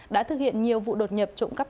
đã thực hiện nhiều vụ đột nhập trộm cắp